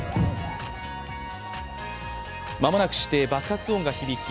間もなくして爆発音が響き